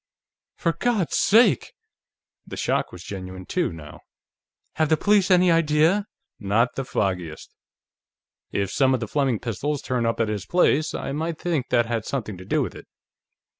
"For God's sake!" The shock was genuine, too, now. "Have the police any idea ?" "Not the foggiest. If some of the Fleming pistols turn up at his place, I might think that had something to do with it.